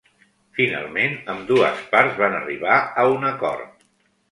Finalment, ambdues parts van arribar a un acord.